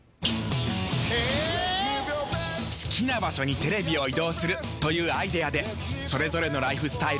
好きな場所にテレビを移動するというアイデアでそれぞれのライフスタイルはもっと自由になる。